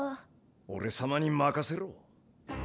おれさまにまかせろ。